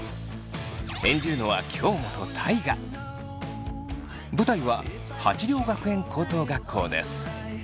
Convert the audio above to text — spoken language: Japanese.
演じるのは舞台は鉢涼学園高等学校です。